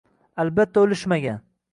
Albatta, o'liwmagan